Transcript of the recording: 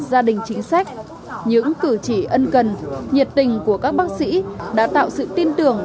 gia đình chính sách những cử chỉ ân cần nhiệt tình của các bác sĩ đã tạo sự tin tưởng